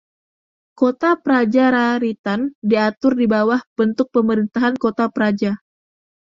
Kota Praja Raritan diatur di bawah bentuk pemerintahan Kota Praja.